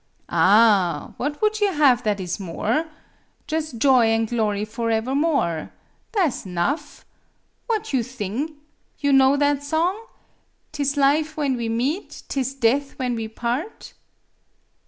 " Ah h h h ! What would you have that MADAME BUTTERFLY 27 is more ? Jus' joy an' glory foraevermore! Tha' 's 'nough. What you thing? You know that song ?" 'T is life when we meet, 'T is death when we part.